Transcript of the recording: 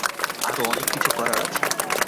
আরও অনেক কিছু করার আছে।